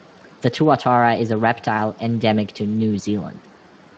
The Tuatara is a reptile endemic to New Zealand.